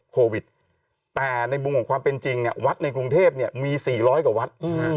โควิดแต่ในมุมของความเป็นจริงเนี่ยวัดในกรุงเทพมี๔๐๐กว่าวัด